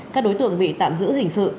các đối tượng bị tạm giữ hình sự